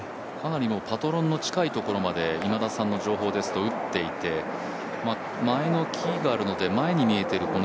かなりパトロンの近いところまで今田さんの情報ですと打っていて前の木があるので前に見えてる